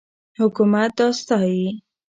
حکومت دا ستایي.